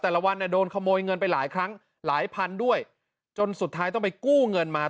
วันเนี่ยโดนขโมยเงินไปหลายครั้งหลายพันด้วยจนสุดท้ายต้องไปกู้เงินมา